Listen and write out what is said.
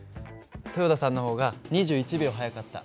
豊田さんの方が２１秒速かった。